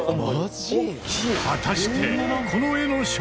果たして。